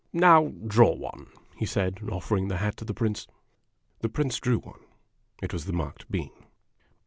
" Now draw one," he said, offering the hat to the Prince. The Prince drew one. It was the marked bean.